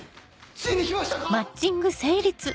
ついに来ましたか